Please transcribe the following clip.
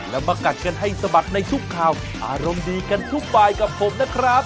แล้วมากัดกันให้สะบัดในทุกข่าวอารมณ์ดีกันทุกบายกับผมนะครับ